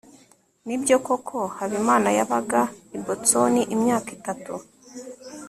nibyo koko habimana yabaga i boston imyaka itatu